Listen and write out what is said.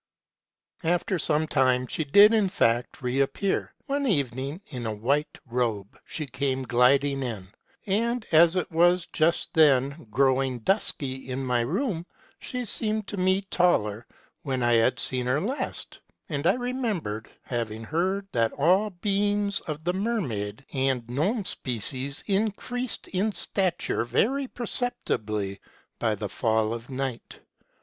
238 MEISTER'S TRAVELS. " After some time she did actually re appear. One even ing in a white robe she came gliding in ; and, as it was just then growing dusky in my room, she seemed to me taller than when I had seen her last : and I remembered having heard that all beings of the mermaid and gnome species increased in stature very perceptibly at the fall of night.